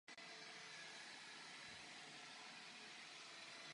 Těmito otázkami se vaše zpráva rovněž zabývá.